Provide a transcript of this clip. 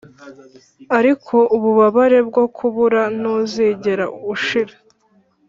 ariko ububabare bwo kubura ntuzigera ushira.